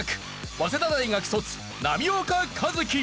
早稲田大学卒波岡一喜。